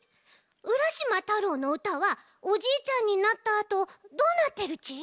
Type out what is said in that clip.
「浦島太郎」のうたはおじいちゃんになったあとどうなってるち？